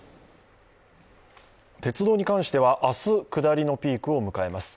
鉄道に関しては、明日、下りのピークを迎えます。